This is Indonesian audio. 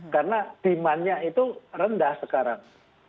karena demandnya itu rendah sekarang